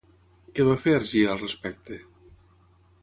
Què va fer Ergí al respecte?